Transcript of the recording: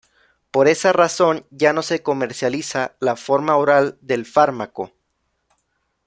Por esa razón, ya no se comercializa la forma oral del fármaco.